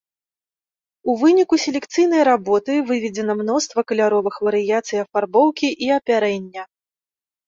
У выніку селекцыйнай работы выведзена мноства каляровых варыяцый афарбоўкі і апярэння.